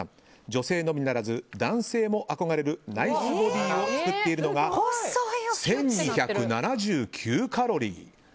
女性のみならず、男性も憧れるナイスボディーを作っているのが１２７９カロリー。